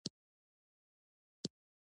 آیا د قالینو صنعت ملاتړ ته اړتیا لري؟